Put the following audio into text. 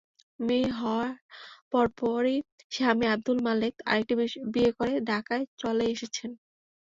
মেয়ে হওয়ার পরপরই স্বামী আবদুল মালেক আরেকটি বিয়ে করে ঢাকায় চলে এসেছেন।